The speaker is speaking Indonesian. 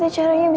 saya masih masih